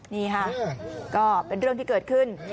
นี่ค่ะก็เป็นเรื่องที่เกิดขึ้น